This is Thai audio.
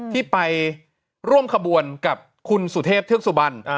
ที่ไปร่วมขบวนกับคุณสุเทพทศบัญ